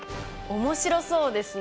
面白そうですね。